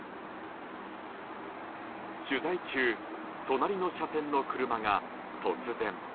取材中、隣の車線の車が突然。